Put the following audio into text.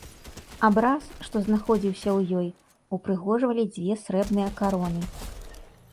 Абраз, што знаходзіўся ў ёй, упрыгожвалі дзве срэбныя кароны.